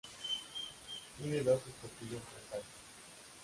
Tiene dos escotillas frontales.